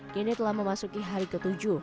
kini telah memasuki hari ke tujuh